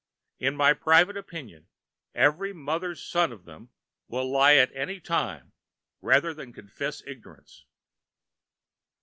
In my private opinion every mother's son of them will lie at any time rather than confess ignorance.